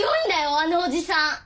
あのおじさん。